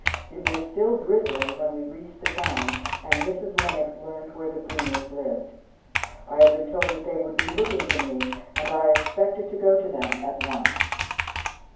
It was still drizzling when we reached the town and Mrs. Lennox learned where the Brunners lived. I had been told that they would be looking for me, and I expected to go to them at once.